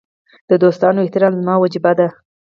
د دوستانو احترام زما وجیبه ده.